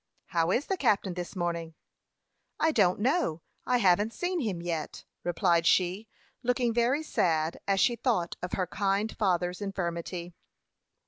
"How is the captain this morning?" "I don't know; I haven't seen him yet," replied she, looking very sad, as she thought of her kind father's infirmity.